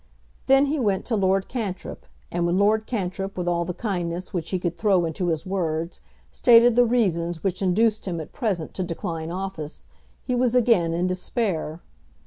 Then he went to Lord Cantrip, and when Lord Cantrip, with all the kindness which he could throw into his words, stated the reasons which induced him at present to decline office, he was again in despair.